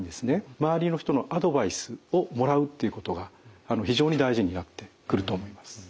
周りの人のアドバイスをもらうっていうことが非常に大事になってくると思います。